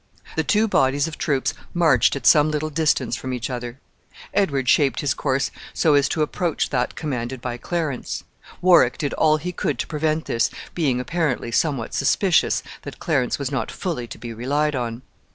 The two bodies of troops marched at some little distance from each other. Edward shaped his course so as to approach that commanded by Clarence. Warwick did all he could to prevent this, being, apparently, somewhat suspicious that Clarence was not fully to be relied on.